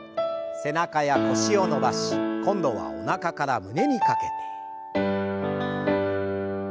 背中や腰を伸ばし今度はおなかから胸にかけて。